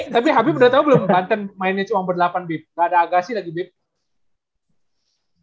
tapi habib udah tau belum banten mainnya cuma ber delapan bip gak ada agassi lagi bip